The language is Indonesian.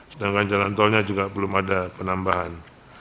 sedangkan jalan tolnya juga belum ada penambahan